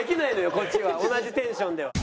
こっちは同じテンションでは。